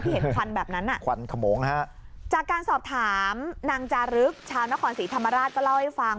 เห็นควันแบบนั้นอ่ะควันขมงฮะจากการสอบถามนางจารึกชาวนครศรีธรรมราชก็เล่าให้ฟัง